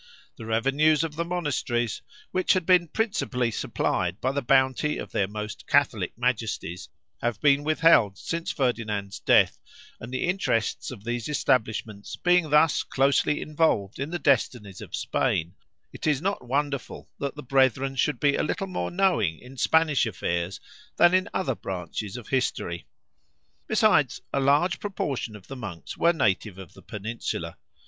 The revenues of the monasteries, which had been principally supplied by the bounty of their most Catholic majesties, have been withheld since Ferdinand's death, and the interests of these establishments being thus closely involved in the destinies of Spain, it is not wonderful that the brethren should be a little more knowing in Spanish affairs than in other branches of history. Besides, a large proportion of the monks were natives of the Peninsula.